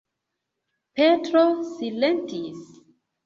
Petro silentis.